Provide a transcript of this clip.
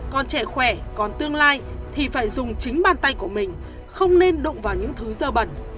còn trẻ khỏe còn tương lai thì phải dùng chính bàn tay của mình không nên đụng vào những thứ dơ bẩn